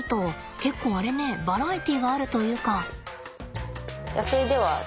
結構あれねバラエティーがあるというか。